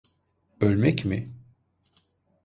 Ölmek mi?